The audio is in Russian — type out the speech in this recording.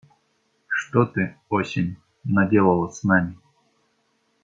Что ты, осень, наделала с нами?